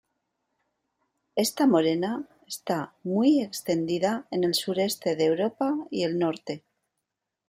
Esta morena está muy extendida en el sureste de Europa y el norte.